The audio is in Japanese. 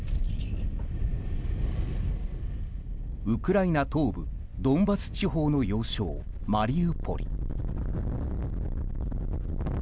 ウクライナ東部ドンバス地方の要衝マリウポリ。